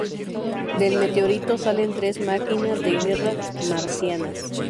Del meteorito salen tres máquinas de guerra marcianas.